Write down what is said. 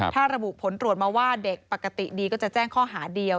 ถ้าระบุผลตรวจมาว่าเด็กปกติดีก็จะแจ้งข้อหาเดียว